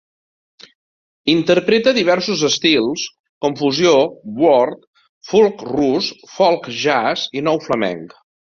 Interpreta diversos estils com fusió, world, folk rus, folk-jazz i nou flamenc.